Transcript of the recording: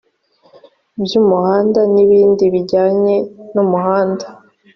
by umuhanda n ibindi bijyanye n umuhanda